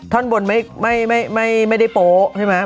ท่อนบนไม่ได้โป๊ะใช่ไหม